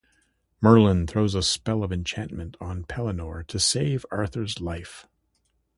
Merlin throws a spell of enchantment on Pellinore to save Arthur's life.